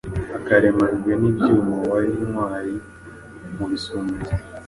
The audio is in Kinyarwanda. akaremajwe n’ibyuma wari intwari mu Bisumizi.